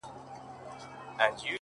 رب دي سپوږمۍ كه چي رڼا دي ووينمه ـ